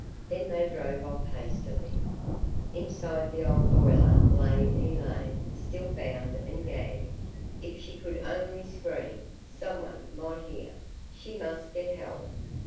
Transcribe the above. Then they drove off hastily. Inside the old boiler lay Elaine, still bound and gagged. If she could only scream! Someone might hear. She must get help.